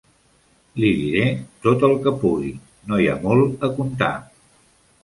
Li diré tot el que pugui; no hi ha molt a contar.